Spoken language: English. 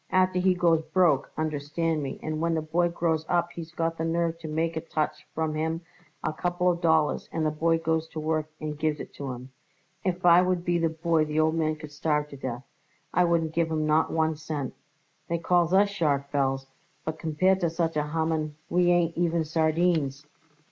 Afterward he goes broke, understand me, and when the boy grows up he's got the nerve to make a touch from him a couple of dollars and the boy goes to work and gives it to him. If I would be the boy the old man could starve to death; I wouldn't give him not one cent. They call us sharks, Belz, but compared with such a Haman we ain't even sardines."